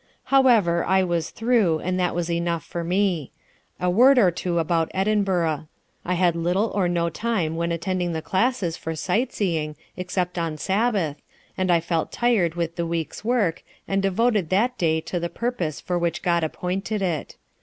"However, I was through, and that was enough for me. A word or two about Edinburgh. I had little or no time when attending the classes for sight seeing, except on Sabbath, and I felt tired with the week's work, and devoted that day to the purpose for which God appointed it.